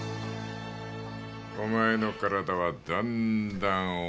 お前の体はだんだん重くなり。